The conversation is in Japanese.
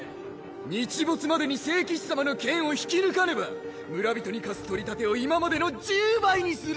日没までに聖騎士様の剣を引き抜かねば村人に課す取り立てを今までの１０倍にする！